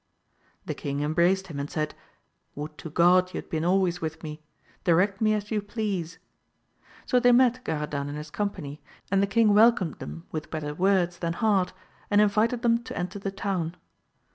The king embraced him and said, Would to God you had been always with me ! direct me as you please ! So they met Garadan and his company, and the king welcomed them with better words than heart, and invited them to enter the town.